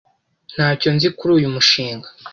Ntacyo nzi kuri uyu mushinga.